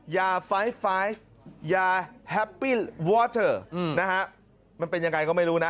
ยาไฟล์ไฟล์ยาวาเตอร์นะฮะมันเป็นยังไงก็ไม่รู้นะ